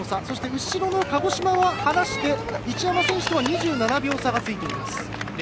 そして後ろの鹿児島は離して一山選手とは２７秒差がついています。